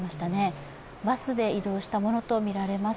バスで移動したものとみられます。